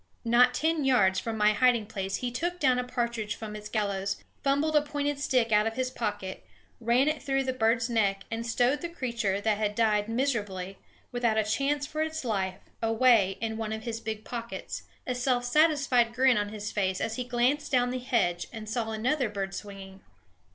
Not ten yards from my hiding place he took down a partridge from its gallows, fumbled a pointed stick out of his pocket, ran it through the bird's neck, and stowed the creature that had died miserably, without a chance for its life, away in one of his big pockets, a self satisfied grin on his face as he glanced down the hedge and saw another bird swinging.